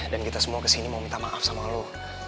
dan kita semua kesini mau minta maaf sama lo